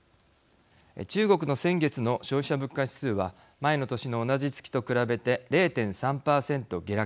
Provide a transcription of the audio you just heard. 中国の先月の消費者物価指数は前の年の同じ月と比べて０．３％下落。